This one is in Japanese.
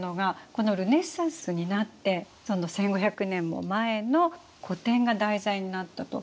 このルネサンスになってその１，５００年も前の古典が題材になったと。